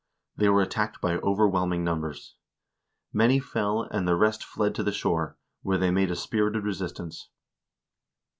They were attacked by overwhelming numbers. Many fell, and the rest fled to the shore, where they made a spirited resist ance.